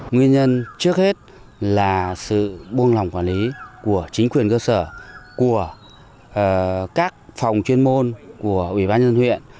nguyên nhân trước hết là sự buông lỏng quản lý của chính quyền cơ sở của các phòng chuyên môn của ủy ban nhân dân huyện